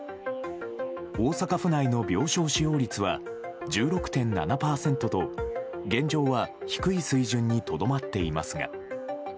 大阪府内の病床使用率は１６．７％と現状は低い水準にとどまっていますが。